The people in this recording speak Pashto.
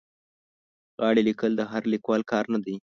غاړې لیکل د هر لیکوال کار نه دی.